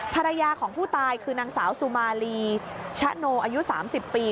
ภรรยาของผู้ตายคือนางสาวสุมาลีชะโนอายุ๓๐ปี